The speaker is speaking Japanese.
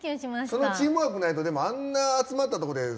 そのチームワークないとでもあんな集まったとこでステッキ。